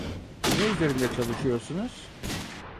Ne üzerinde çalışıyorsunuz?